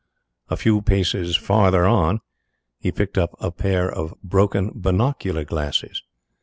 A few paces farther on he picked up a pair of broken binocular glasses.